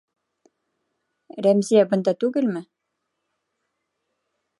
Рәмзиә бында түгелме?